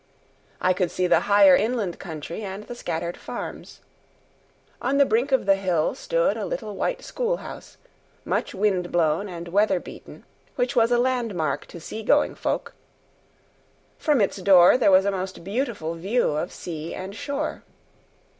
I could see the higher inland country and the scattered farms. On the brink of the hill stood a little white schoolhouse, much wind blown and weather beaten, which was a landmark to seagoing folk; from its door there was a most beautiful view of sea and shore.